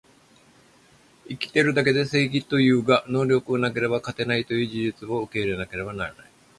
生きてるだけで正義というが、能力がなければ勝てないという事実も受け入れなければならない